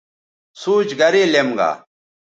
سوچ گرے لیم گا